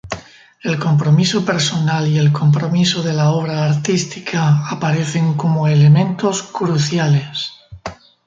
El compromiso personal y el compromiso de la obra artística aparecen como elementos cruciales.